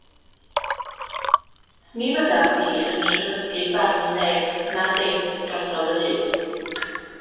Ni fyddaf i yn rhyfygu barnu neb, na dim, drosof fy hun.